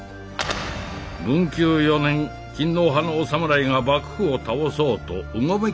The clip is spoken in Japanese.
文久４年勤皇派のお侍が幕府を倒そうとうごめき始めた頃や。